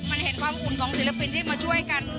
มันเห็นความอุ่นของศิลปินที่มาช่วยกัน